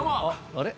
あれ？